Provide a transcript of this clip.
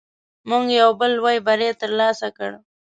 موږ یو بل لوی بری تر لاسه کړ.